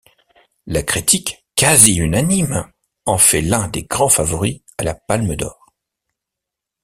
La critique, quasi-unanime, en fait l'un des grands favoris à la Palme d'or.